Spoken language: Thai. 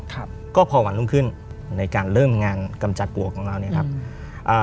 ครับก็พอวันรุ่งขึ้นในการเริ่มงานกำจัดบวกของเราเนี้ยครับอ่า